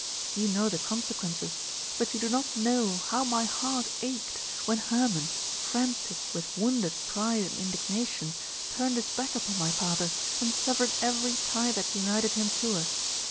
You know the consequences, but you do not know how my heart ached when Hermon, frantic with wounded pride and indignation, turned his back upon my father and severed every tie that united him to us.